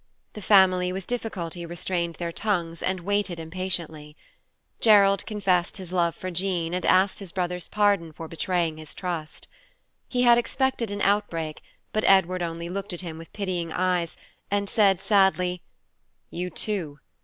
The family with difficulty restrained their tongues and waited impatiently. Gerald confessed his love for Jean and asked his brother's pardon for betraying his trust. He had expected an outbreak, but Edward only looked at him with pitying eyes, and said sadly, "You too!